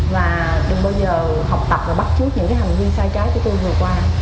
và đừng bao giờ học tập và bắt trước những hành vi sai trái của tôi vừa qua